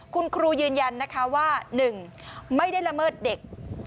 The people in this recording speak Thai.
คุณครูยืนยันนะคะว่า๑ไม่ได้ละเมิดเด็ก